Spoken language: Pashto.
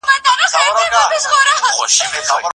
ثمر ګل د خپل زوی خبرو ته په پوره غور غوږ ونه نیوه.